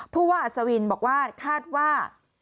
ผู้ว่าอัศวินบอกว่าคาดว่า